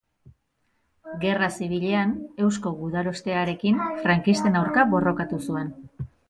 Gerra zibilean Eusko Gudarostearekin frankisten aurka borrokatu zuen.